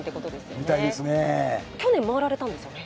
去年、回られたんですよね。